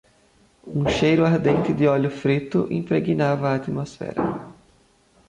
Um cheiro ardente de óleo frito impregnava a atmosfera.